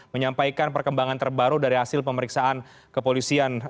menyampaikan perkembangan terbaru dari hasil pemeriksaan kepolisian